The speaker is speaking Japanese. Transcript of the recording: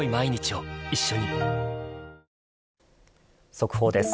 速報です。